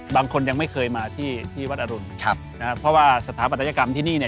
บางคนยังไม่เคยมาที่ที่วัดอรุณครับนะฮะเพราะว่าสถาปัตยกรรมที่นี่เนี่ย